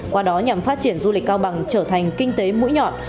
qua đó nhằm phát triển du lịch cao bằng trở thành kinh tế mũi nhọn